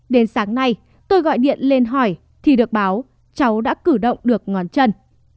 đến sáng nay tôi gọi điện lên hỏi thì được báo cháu đã cử động được ngón chân